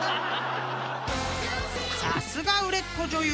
［さすが売れっ子女優］